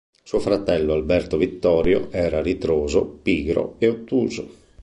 Suo fratello Alberto Vittorio, era ritroso, pigro e ottuso.